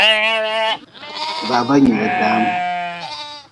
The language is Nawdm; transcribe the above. Baba nyili dam.